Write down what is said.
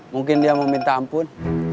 mungkin dia mau minta ampun